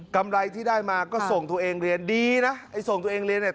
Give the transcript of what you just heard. ไรที่ได้มาก็ส่งตัวเองเรียนดีนะไอ้ส่งตัวเองเรียนเนี่ย